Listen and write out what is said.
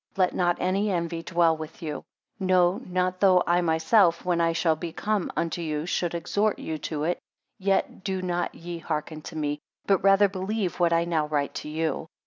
Let not any envy dwell with you; no, not though I myself, when I shall be come unto you, should exhort you to it, yet do not ye hearken to me; but rather believe what I now write to you.